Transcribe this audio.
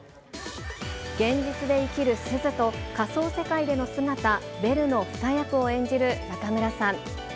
現実で生きるすずと、仮想世界での姿、ベルの二役を演じる中村さん。